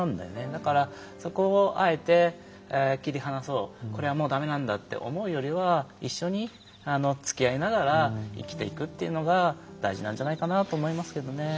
だからそこをあえて切り離そうこれはもうだめなんだって思うよりは一緒につきあいながら生きていくっていうのが大事なんじゃないかなと思いますけどね。